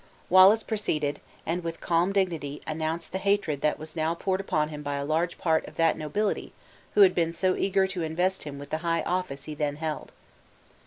Wallace proceeded; and, with calm dignity, announced the hatred that was now poured upon him by a large part of that nobility who had been so eager to invest him with the high office he then held.